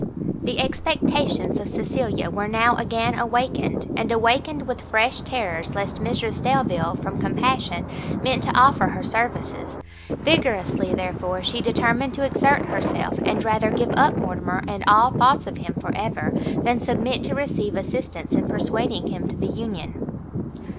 The expectations of Cecilia were now again awakened, and awakened with fresh terrors lest Mrs Delvile, from compassion, meant to offer her services; vigorously, therefore, she determined to exert herself, and rather give up Mortimer and all thoughts of him for ever, than submit to receive assistance in persuading him to the union.